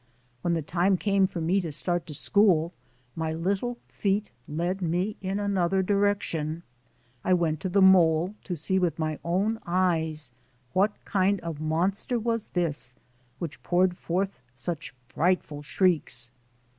When the time came for me to start to school, my little feet led me in another direction. I went to the mole to see with my own eyes what kind of a monster was this which poured forth such frightful shrieks.